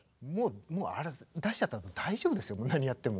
もうあれ出しちゃったんで大丈夫ですよ何やっても。